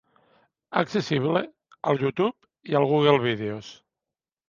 Accessible al YouTube i al Google Vídeos.